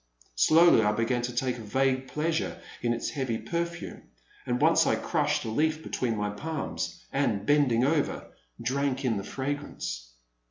Slowly I began to take a vague pleasure in its heavy perfume, and once I crushed a leaf between my palms, and, bending over, drank in the frag^rance.